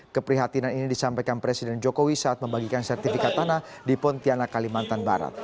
keprihatinan ini disampaikan presiden jokowi saat membagikan sertifikat tanah di pontianak kalimantan barat